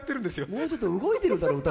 もうちょっと動いているだろう。